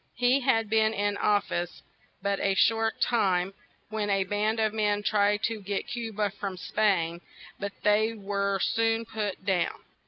He had been in of fice but a short time, when a band of men tried to get Cu ba from Spain; but they were soon put down.